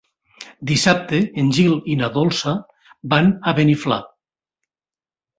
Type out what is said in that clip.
Dissabte en Gil i na Dolça van a Beniflà.